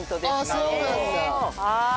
ああそうなんだ。